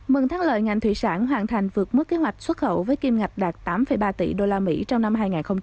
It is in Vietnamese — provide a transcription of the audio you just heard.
mừng tháng lợi ngành thủy sản hoàn thành vượt mức kế hoạch xuất khẩu với kim ngạch đạt tám ba tỷ usd trong năm hai nghìn một mươi bảy